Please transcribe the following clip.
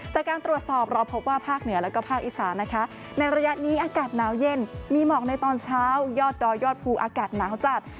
จากการตรวจสอบเราพบว่าภาคเหนือแล้วก็ภาคอีสานนะคะในระยะนี้อากาศหนาวเย็นมีหมอกในตอนเช้ายอดดอยยอดภูอากาศหนาวจัด